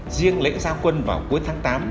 riêng lễ gia quân vào cuối tháng tám